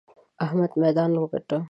احمد ميدان وګاټه!